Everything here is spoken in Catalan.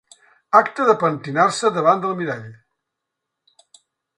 Acte de pentinar-se davant del mirall.